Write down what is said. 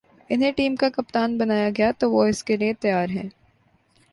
انہیں ٹیم کا کپتان بنایا گیا تو وہ اس کے لیے تیار ہیں